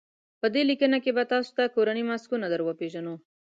په دې لیکنه کې به تاسو ته کورني ماسکونه در وپېژنو.